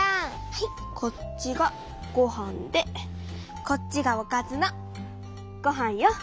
はいこっちがごはんでこっちがおかずのごはんよ。